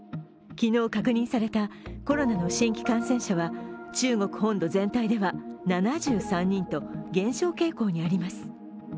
昨日確認されたコロナの新規感染者は中国本土全体では７３人と減少傾向にあります。